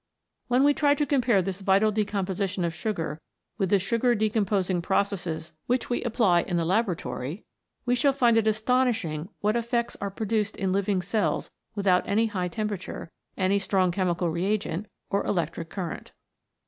When we try to compare this vital decom position of sugar with the sugar decomposing processes which we apply in the laboratory, we shall find it astonishing what effects are produced in living cells without any high temperature, any strong chemical reagent or electric current.